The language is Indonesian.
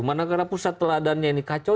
manakala pusat teladannya ini kacau